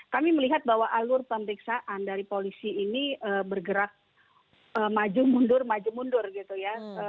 kami melihat bahwa alur pemeriksaan dari polisi ini bergerak maju mundur maju mundur gitu ya